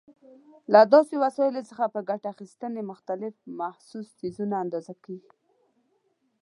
له دې وسایلو څخه په ګټې اخیستنې مختلف محسوس څیزونه اندازه کېږي.